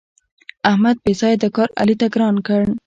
احمد بېځآیه دا کار علي ته ګران کړ.